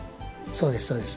そうですそうです。